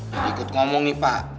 jadi ikut ngomong nih pak